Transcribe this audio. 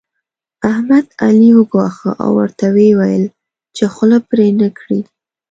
احمد؛ علي وګواښه او ورته ويې ويل چې خوله پرې نه کړې.